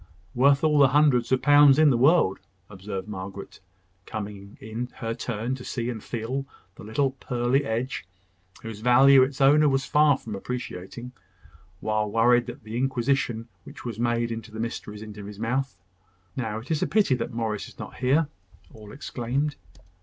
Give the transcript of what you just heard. "Worth all the hundreds of pounds in the world," observed Margaret, coming in her turn to see and feel the little pearly edge, whose value its owner was far from appreciating, while worried with the inquisition which was made into the mysteries of his mouth. "Now it is a pity that Morris is not here!" all exclaimed.